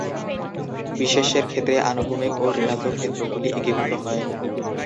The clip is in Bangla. বিশেষ্যের ক্ষেত্রে অনুভূমিক ও ঋণাত্মক ক্ষেত্রগুলি একীভূত হয়।